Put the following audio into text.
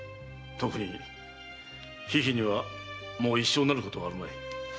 特に狒々にはもう一生なることもあるまい。